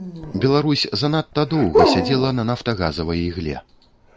Беларусь занадта доўга сядзела на нафтагазавай ігле.